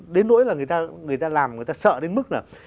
đến nỗi là người ta làm người ta sợ đến mức là